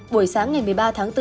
buổi sáng ngày một mươi ba tháng bốn